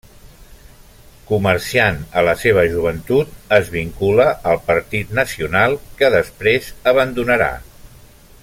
Comerciant a la seva joventut, es vincula al Partit Nacional, que després abandonarà.